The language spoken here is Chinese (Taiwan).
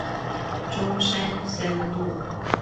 中山三路